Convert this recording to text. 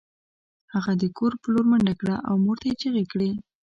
هغه د کور په لور منډه کړه او مور ته یې چیغې کړې